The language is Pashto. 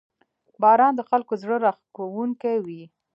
• باران د خلکو زړه راښکونکی وي.